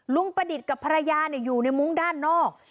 ประดิษฐ์กับภรรยาอยู่ในมุ้งด้านนอก